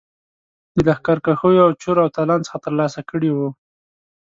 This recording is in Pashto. د لښکرکښیو او چور او تالان څخه ترلاسه کړي وه.